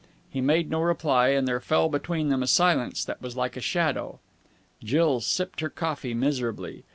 He made no reply, and there fell between them a silence that was like a shadow, Jill sipped her coffee miserably.